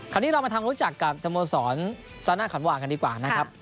คราวนี้เรามาทำรู้จักกับสโมสรซาน่าขันหว่ากันดีกว่านะครับ